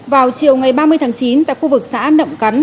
vào chiều ngày ba mươi tháng chín tại khu vực xã nậm cắn